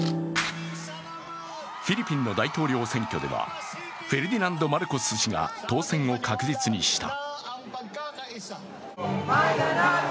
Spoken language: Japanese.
フィリピンの大統領選挙ではフェルディナンド・マルコス氏が当選を確実にした。